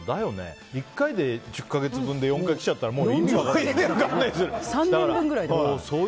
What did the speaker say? １回で１０か月分で４回来ちゃったらもう意味分からない。